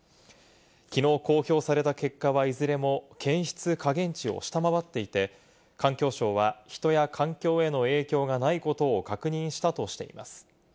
きのう公表された結果はいずれも検出下限値を下回っていて、環境省は人や環境への影響がないことを確認したとしています。